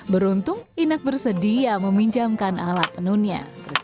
beruntung inak bersedia meminjamkan alat penunnya